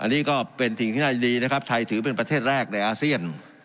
อันนี้ก็เป็นสิ่งที่น่ายินดีนะครับไทยถือเป็นประเทศแรกในอาเซียน